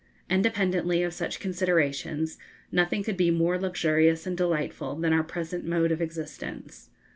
Independently of such considerations, nothing could be more luxurious and delightful than our present mode of existence.